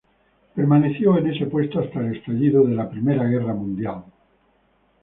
Permaneció en ese puesto hasta el estallido de la Primera Guerra Mundial.